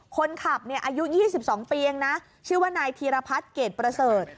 คนขับอายุ๒๒ปีเองนะชื่อว่านายธีรพัฒน์เกรดประเสริฐ